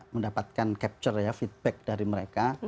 mendapatkan capture ya feedback dari mereka